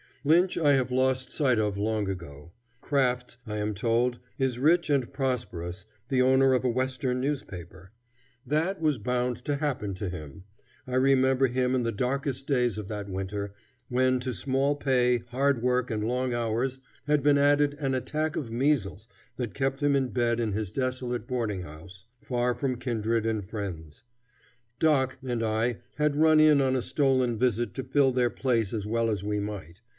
Lynch I have lost sight of long ago. Crafts, I am told, is rich and prosperous, the owner of a Western newspaper. That was bound to happen to him. I remember him in the darkest days of that winter, when to small pay, hard work, and long hours had been added an attack of measles that kept him in bed in his desolate boarding house, far from kindred and friends. "Doc" and I had run in on a stolen visit to fill their place as well as we might.